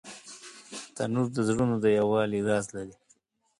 تنور د زړونو د یووالي راز لري